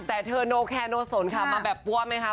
แต่เธอโนแคโนสนค่ะมาแบบปั้วไหมคะ